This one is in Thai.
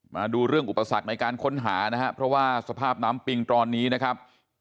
มาดูเรื่องอุปสรรคในการค้นหานะครับเพราะว่าสภาพน้ำปิงตอนนี้นะครับ